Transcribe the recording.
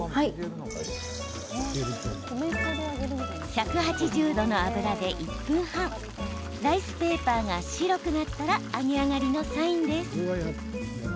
１８０度の油で１分半ライスペーパーが白くなったら揚げ上がりのサインです。